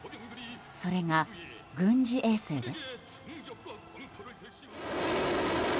それが軍事衛星です。